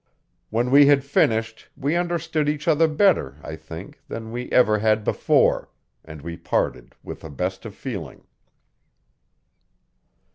When we had finished we understood each other better, I think, than we ever had before; and we parted with the best of feeling.